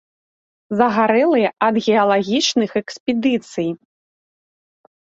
Загарэлыя ад геалагічных экспедыцый.